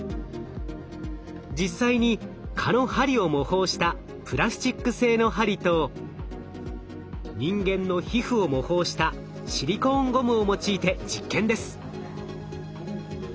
実際に蚊の針を模倣したプラスチック製の針と人間の皮膚を模倣したシリコーンゴムを用いて実験です。